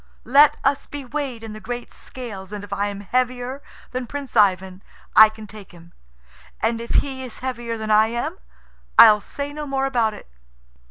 "Let us be weighed in the great scales, and if I am heavier than Prince Ivan, I can take him; and if he is heavier than I am, I'll say no more about it."